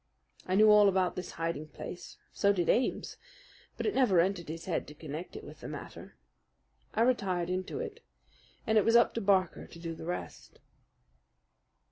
I knew all about this hiding place, so did Ames; but it never entered his head to connect it with the matter. I retired into it, and it was up to Barker to do the rest.